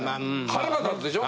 腹が立つでしょ？